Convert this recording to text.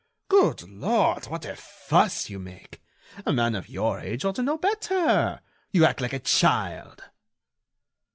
"Good Lord, what a fuss you make! A man of your age ought to know better! You act like a child."